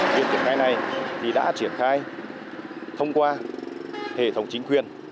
việc triển khai này thì đã triển khai thông qua hệ thống chính quyền